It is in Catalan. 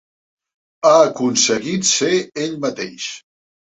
Ha aconseguit ser ell mateix.